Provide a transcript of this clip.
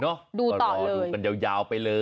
รอดูเห็นเหแล้ววววว